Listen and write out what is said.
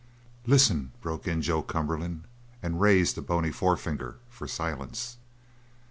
"Listen!" broke in Joe Cumberland, and raised a bony forefinger for silence.